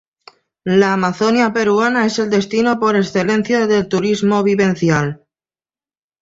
La Amazonia peruana es el destino por excelencia del turismo vivencial.